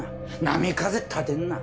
波風立てんな。